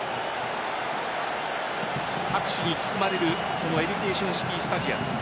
拍手に包まれるエデュケーションシティースタジアム。